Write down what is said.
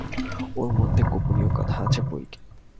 ওর মধ্যে গোপনীয় কথা আছে বৈকি।